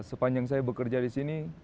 jadi sepanjang saya bekerja di sini